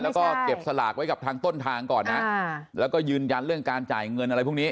แล้วก็เก็บสลากไว้กับทางต้นทางก่อนนะแล้วก็ยืนยันเรื่องการจ่ายเงินอะไรพวกนี้